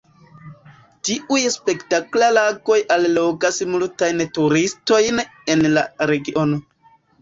Tiuj spektakla lagoj allogas multajn turistojn en la regiono.